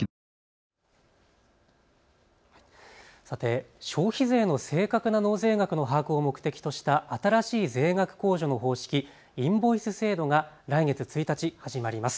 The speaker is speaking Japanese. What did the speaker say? さて、消費税の正確な納税額の把握を目的とした新しい税額控除の方式、インボイス制度が来月１日、始まります。